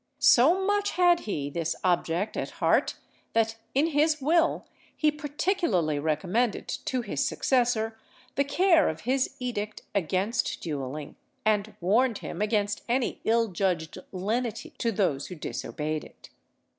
So much had he this object at heart, that, in his will, he particularly recommended to his successor the care of his edict against duelling, and warned him against any ill judged lenity to those who disobeyed it.